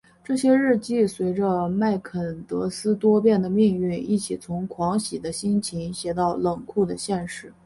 这些日记随着麦坎德斯多变的命运一起从狂喜的心情写到冷酷的现实。